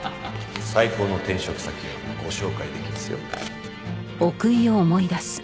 最高の転職先をご紹介できますよ。